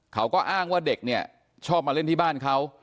เขาก็อ้างว่าเด็กเนี่ยชอบมาเล่นที่บ้านเขา